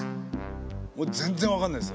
もう全然分かんないです。